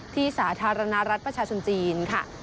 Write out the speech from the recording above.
ที่สาธารณรัฐประชาชนจีน